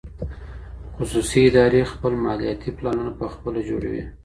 خصوصي ادارې خپل مالیاتي پلانونه پخپله جوړوي.